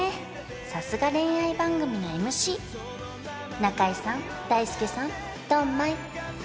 さすが恋愛番組のＭＣ中居さん大輔さんドンマイ！